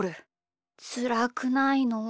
つらくないの？